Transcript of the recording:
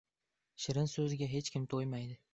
• Shirin so‘zga hech kim to‘ymaydi.